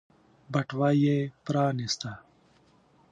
بټوه يې پرانيسته.